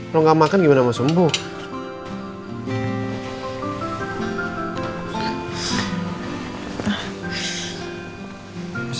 lo gak makan gimana mau sembuh